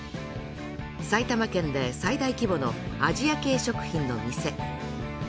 埼玉県で最大規模のアジア系食品の店。